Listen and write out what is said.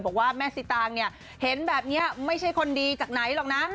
บอกว่าแม่สิตางเนี่ยเห็นแบบนี้ไม่ใช่คนดีจากไหนหรอกนะ